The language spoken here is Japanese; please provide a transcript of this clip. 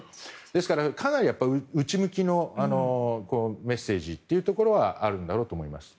ですから、かなり内向きのメッセージというところはあるんだろうと思います。